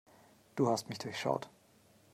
Du hast mich durchschaut.